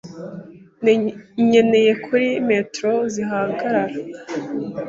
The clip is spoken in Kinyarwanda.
Nkeneye kuri metero zihagarara.